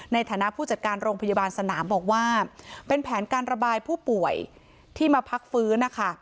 ในฐานะผู้จัดการโรงพยาบาลสนามบอกว่าเป็นแผนการระบายผู้ป่วยที่มาพักฟื้นนะคะ